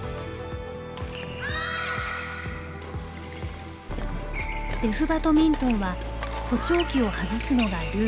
デフバドミントンは補聴器を外すのがルールです。